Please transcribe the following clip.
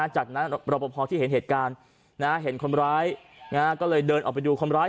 จากนั้นรอปภที่เห็นเหตุการณ์เห็นคนร้ายก็เลยเดินออกไปดูคนร้าย